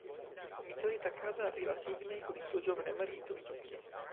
Midori Takada arriva a Sydney con il suo giovane marito Yukio.